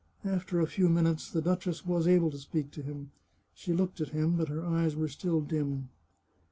After a few minutes, the duchess was able to speak to him. She looked at him, but her eyes were still dim.